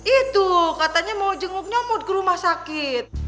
itu katanya mau jenguk nyamuk ke rumah sakit